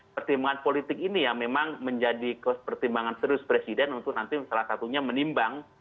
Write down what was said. pertimbangan politik ini yang memang menjadi pertimbangan serius presiden untuk nanti salah satunya menimbang